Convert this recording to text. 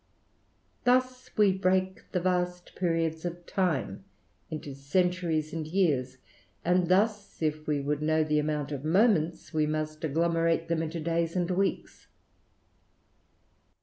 Thus we break the vast periods of time into centuries and years ; and thus, if we would know the amount of moments, we must agglomerate them into days and weeks.